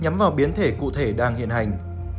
nhắm vào biến thể cụ thể đang hiện hành